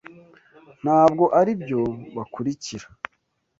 Ntabwo aribyo bakurikira.